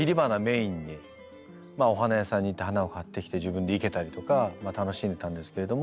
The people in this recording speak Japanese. お花屋さんに行って花を買ってきて自分で生けたりとか楽しんでたんですけれども。